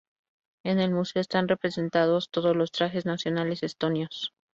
En el museo están representados todos los trajes nacionales estonios.